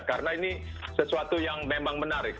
karena ini sesuatu yang memang menarik